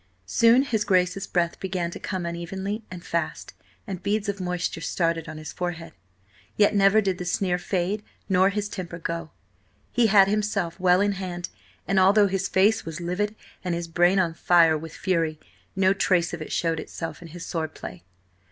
Soon his Grace's breath began to come unevenly and fast, and beads of moisture started on his forehead. Yet never did the sneer fade nor his temper go; he had himself well in hand, and although his face was livid, and his brain on fire with fury, no trace of it showed itself in his sword play.